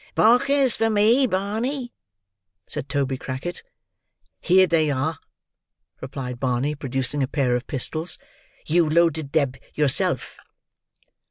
"Barkers for me, Barney," said Toby Crackit. "Here they are," replied Barney, producing a pair of pistols. "You loaded them yourself."